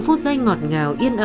vốn liếng cả đời bà